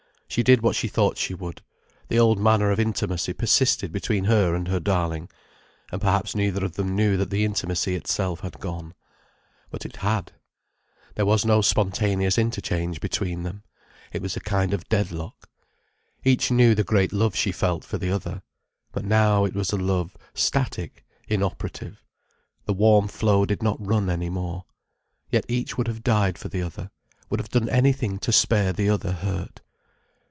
She did what she thought she would. The old manner of intimacy persisted between her and her darling. And perhaps neither of them knew that the intimacy itself had gone. But it had. There was no spontaneous interchange between them. It was a kind of deadlock. Each knew the great love she felt for the other. But now it was a love static, inoperative. The warm flow did not run any more. Yet each would have died for the other, would have done anything to spare the other hurt.